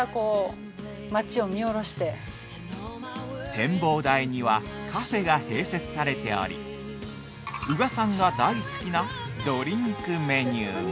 ◆展望台にはカフェが併設されており宇賀さんが大好きなドリンクメニューも。